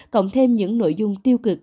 cộng thêm những nội dung tiêu cực